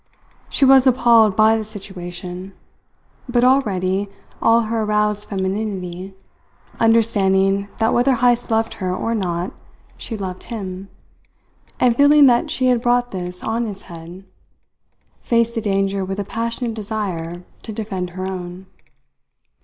She was appalled by the situation; but already all her aroused femininity, understanding that whether Heyst loved her or not she loved him, and feeling that she had brought this on his head, faced the danger with a passionate desire to defend her own.